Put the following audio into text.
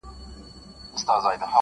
• زه له غروره د ځوانۍ لکه نیلی درتللای -